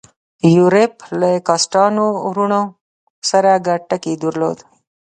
یوریب له کاسټانو وروڼو سره ګډ ټکی درلود.